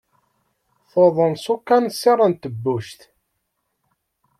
Tuḍen s ukansir n tebbuct.